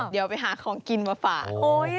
เดี๋ยวไปหาของกินมาฝาก